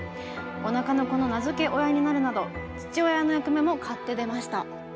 おなかの子の名付け親になるなど父親の役目も買って出ました。